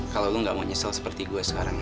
kalo lu gak mau nyesel seperti gue sekarang ini